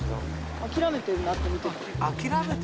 諦めてるなって、見てて。